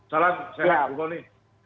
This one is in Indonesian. salam sehat bu koni